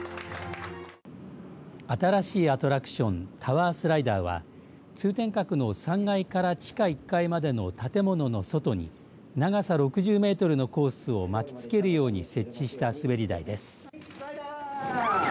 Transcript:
新しいアトラクション、タワースライダーは通天閣の３階から地下１階までの建物の外に長さ６０メートルのコースを巻きつけるように設置した滑り台です。